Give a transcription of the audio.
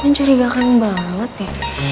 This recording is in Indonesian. mencurigakan banget ya